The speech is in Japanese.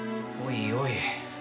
おいおい。